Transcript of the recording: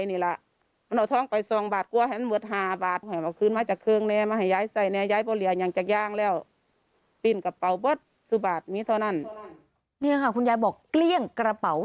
นี่ค่ะคุณยายบอกเกลี้ยงกระเป๋า